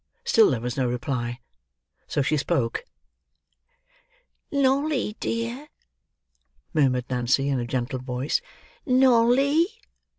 Still there was no reply: so she spoke. "Nolly, dear?" murmured Nancy in a gentle voice; "Nolly?"